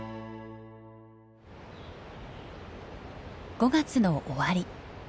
５月の終わり。